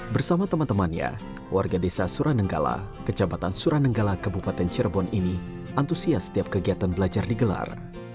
bersama teman temannya warga desa suranenggala kecamatan suranenggala kabupaten cirebon ini antusias setiap kegiatan belajar digelar